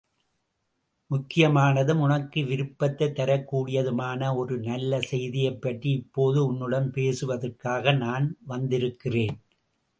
முக்கியமானதும் உனக்கு விருப்பத்தைத் தரக் கூடியதுமான ஒரு நல்ல செய்தியைப் பற்றி இப்போது உன்னிடம் பேசுவதற்காக நான் வந்திருக்கிறேன்.